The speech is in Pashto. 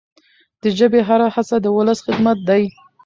د ژبي هره هڅه د ولس خدمت دی.